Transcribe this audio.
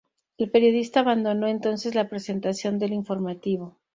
El periodista abandonó entonces la presentación del informativo.